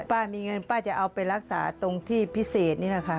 ป้ามีเงินป้าจะเอาไปรักษาตรงที่พิเศษนี่แหละค่ะ